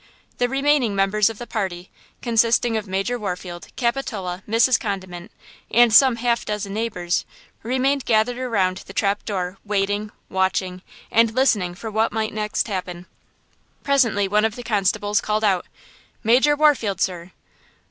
The remaining members of the party, consisting of Major Warfield, Capitola, Mrs. Condiment, and some half dozen neighbors, remained gathered around the open trap door. waiting, watching, and listening for what might next happen. Presently one of the constables called out: "Major Warfield, sir!"